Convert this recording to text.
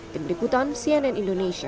pendekutan cnn indonesia